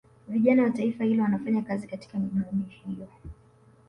Vijana wa taifa hilo wanafanya kazi katika migodi hiyo